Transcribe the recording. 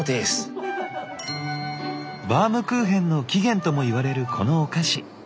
バウムクーヘンの起源ともいわれるこのお菓子。